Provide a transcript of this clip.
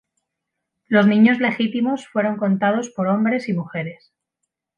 Los niños legítimos fueron contados por hombres y mujeres.